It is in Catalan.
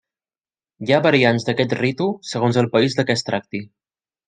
Hi ha variants d'aquest ritu segons el país de què es tracti.